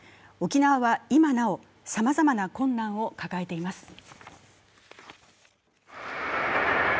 沖縄は今もなおさまざまな困難を抱えています。